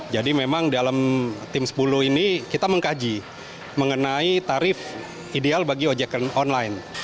jadi memang dalam tim sepuluh ini kita mengkaji mengenai tarif ideal bagi ojek online